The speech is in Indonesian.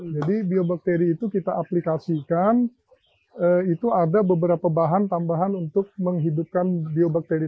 jadi biobakteri itu kita aplikasikan itu ada beberapa bahan tambahan untuk menghidupkan biobakteri